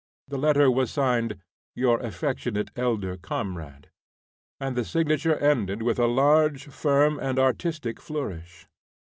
The letter was signed, "Your affectionate elder comrade," and the signature ended with a large, firm, and artistic flourish.